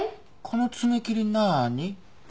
この爪切りなあに？